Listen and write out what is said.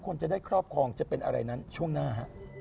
คนจะได้ครอบครองจะเป็นอะไรนั้นช่วงหน้าฮะ